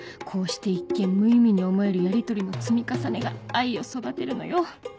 こうして一見無意味に思えるやりとりの積み重ねが愛を育てるのよ